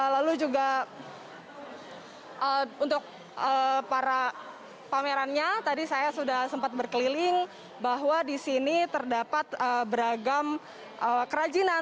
lalu juga untuk para pamerannya tadi saya sudah sempat berkeliling bahwa di sini terdapat beragam kerajinan